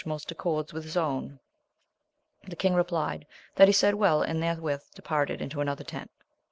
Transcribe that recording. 175 most accords with his own. The king replied that he said well, and therewith departed into another tent.